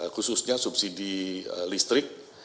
khususnya subsidi listrik